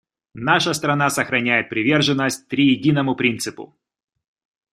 Наша страна сохраняет приверженность «триединому» принципу.